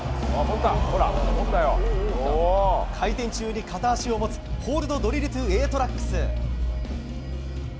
回転中に片足を持つホールドドリル・トゥ・Ａトラックス。